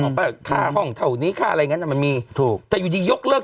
เอาใบ้ฆ่าห้องเต่านี้ฆ่าอะไรยังงั้นอะมันมีถูกแต่อยู่ดิยกเลิก